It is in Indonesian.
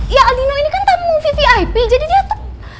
ya aldino ini kan tamu vvip jadi dia tuh